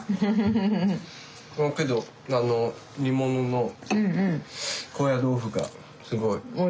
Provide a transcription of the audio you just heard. このけど煮物の高野豆腐がすごい。